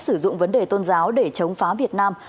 sử dụng vấn đề tôn giáo để chống phá việt nam